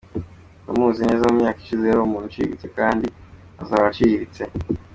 Ndamuzi neza mu myaka ishize yari umuntu uciriritse kandi azahora aciriritse.